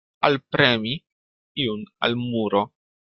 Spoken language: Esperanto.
Alpremi iun al muro.